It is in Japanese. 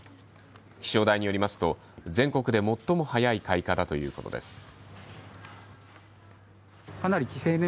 気象台によりますと全国で最も早い開花だということです。